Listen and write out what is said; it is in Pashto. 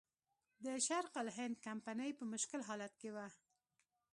د شرق الهند کمپنۍ په مشکل حالت کې وه.